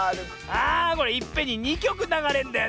あこれいっぺんに２きょくながれんだよね。